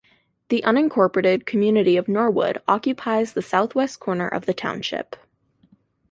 The unincorporated community of Norwood occupies the southwest corner of the township.